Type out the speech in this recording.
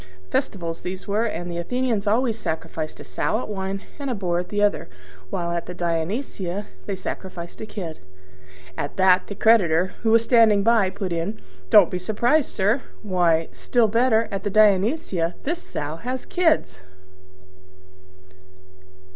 (Festivals these were: and the Athenians always sacrifice a sow at one, and a boar at the other; while at the Dionysia they sacrifice a kid.) At that the creditor, who was standing by, put in, "Don't be surprised, sir; why, still better, at the Dionysia this Sow has kids!"